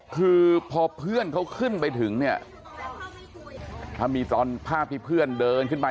คือพอเพื่อนเขาขึ้นไปถึงเนี่ยถ้ามีตอนภาพที่เพื่อนเดินขึ้นไป